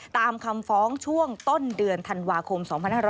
ตามคำฟ้องช่วงต้นเดือนธันวาคม๒๕๖๐